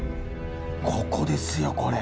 ここですよこれ。